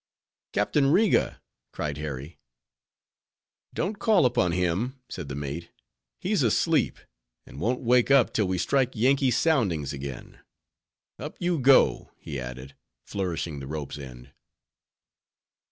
"Captain Riga!" cried Harry. "Don't call upon him" said the mate; "he's asleep, and won't wake up till we strike Yankee soundings again. Up you go!" he added, flourishing the rope's end.